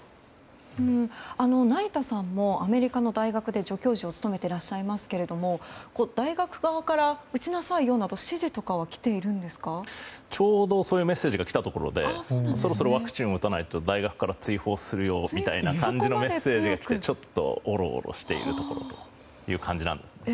成田さんもアメリカの大学で助教授を務めていらっしゃいますけど大学側から打ちなさいよなど指示とかはちょうどそういうメッセージがきているところでそろそろワクチンを打たないと大学から追放するよみたいなメッセージがきて、ちょっとおろおろしているところです。